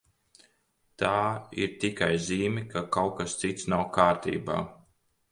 Tā ir tikai zīme, ka kaut kas cits nav kārtībā.